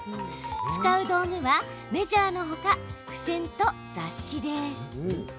使う道具は、メジャーのほか付箋と雑誌です。